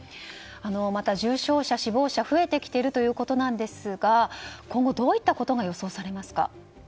また、重症者、死亡者が増えてきているということですが今後どういったことが予想されますか？